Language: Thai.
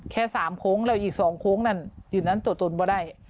แค่๓โค้งแล้วอีก๒โค้งนั่นอยู่นั้นตัวตนว่าได้